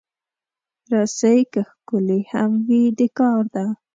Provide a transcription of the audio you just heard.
رسۍ که ښکلې هم وي، د کار ده.